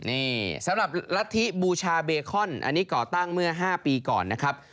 นี่สำหรับรัฐธิบูชาเบคอนอันนี้ก่อตั้งเมื่อ๕ปีก่อนนะครับ